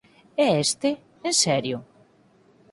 É este? En serio?